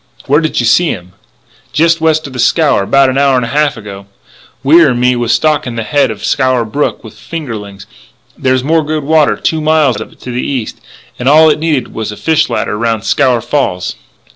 "Where did you see him?" inquired Lannis. "Jest west of the Scaur, about an hour and a half ago. Wier and me was stockin' the head of Scaur Brook with fingerlings. There's more good water two miles of it to the east, and all it needed was a fish ladder around Scaur Falls.